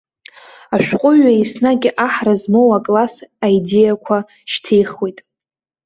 Ашәҟәыҩҩы еснагь аҳра змоу акласс аидеақәа шьҭихуеит.